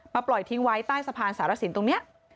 ปล่อยทิ้งไว้ใต้สะพานสารสินตรงนี้